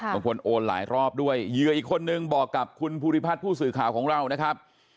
โอนหลายรอบด้วยเหยื่ออีกคนนึงบอกกับคุณภูริพัฒน์ผู้สื่อข่าวของเรานะครับ